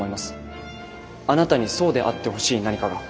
あなたにそうであってほしい何かが。